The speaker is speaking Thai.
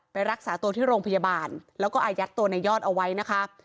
รักษาตัวที่โรงพยาบาลแล้วก็อายัดตัวในยอดเอาไว้นะคะ